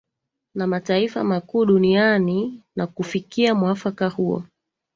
na mataifa makuu duniani na kufikia mwafaka huo